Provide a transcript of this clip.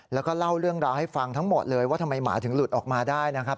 แล้วก็เล่าเรื่องราวให้ฟังทั้งหมดเลยว่าทำไมหมาถึงหลุดออกมาได้นะครับ